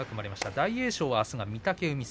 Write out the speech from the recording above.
大栄翔はあすは御嶽海戦。